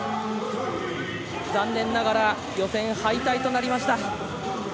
残念ながら予選敗退となりました。